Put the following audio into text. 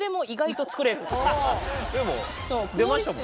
でも出ましたもんね。